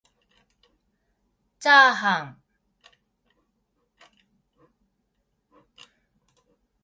ちゃーはん